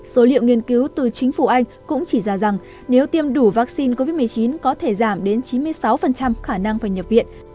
số liệu nghiên cứu từ chính phủ anh cũng chỉ ra rằng nếu tiêm đủ vaccine covid một mươi chín có thể giảm đến chín mươi sáu khả năng phải nhập viện